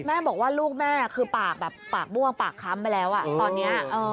แม่บอกว่าลูกแม่คือปากแบบปากม่วงปากค้ำไปแล้วตอนนี้